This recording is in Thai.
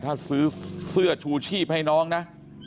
ถ้าซื้อเสื้อชูชีพให้น้องนะ